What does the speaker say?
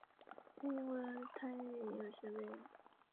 在英国他有时被人。